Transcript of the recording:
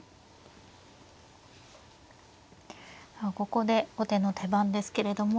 ここで後手の手番ですけれども。